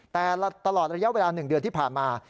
แต่ตลอดระยะเวลา๑เดือนที่ผ่านมา